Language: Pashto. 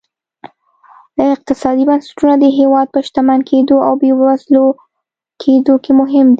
اقتصادي بنسټونه د هېواد په شتمن کېدو او بېوزله کېدو کې مهم دي.